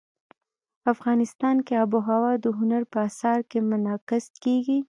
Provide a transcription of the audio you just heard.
افغانستان کې آب وهوا د هنر په اثار کې منعکس کېږي.